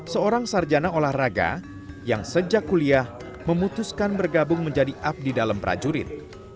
seorang sarjana olahraga yang sejak kuliah memutuskan bergabung menjadi abdi dalam prajurit